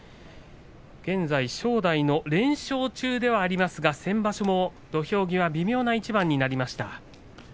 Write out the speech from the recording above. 現在、正代が連勝中ではありますが先場所は土俵際微妙な一番になりました。